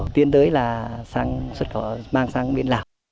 tiến tới là mang sang miền lào